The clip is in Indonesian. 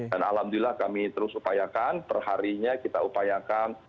dan alhamdulillah kami terus upayakan perharinya kita upayakan dibantu